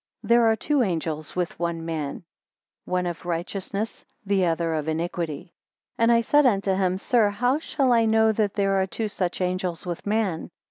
There are two angels with man; one of righteousness, the other of iniquity. 8 And I said unto him, Sir, how shall I know that there are two such angels with man?